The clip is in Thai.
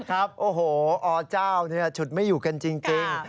ครับโอ้โหออะเจ้าเนี่ยชุดไม่อยู่กันจริงจริง